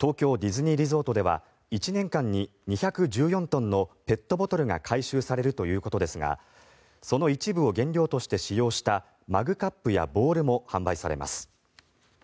東京ディズニーリゾートでは１年間に２１４トンのペットボトルが回収されるということですがその一部を原料として使用したマグカップやボウルも販売されます。